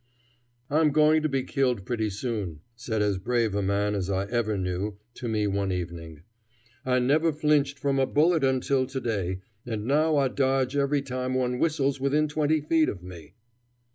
"I'm going to be killed pretty soon," said as brave a man as I ever knew, to me one evening. "I never flinched from a bullet until to day, and now I dodge every time one whistles within twenty feet of me."